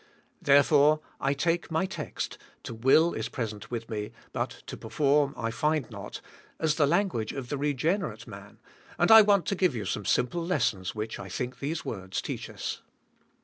Therefore I take my text, "to will is present with me, but to perform I find not," as the language of the regenerate man, and I want to give you some simple lessons which I think these words teach us.